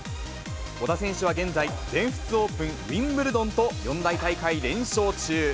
小田選手は現在、全仏オープン、ウィンブルドンと、四大大会連勝中。